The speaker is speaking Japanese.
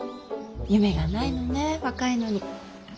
夢がないのねえ若いのに。